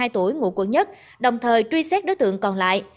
hai mươi tuổi ngụ quận một đồng thời truy xét đối tượng còn lại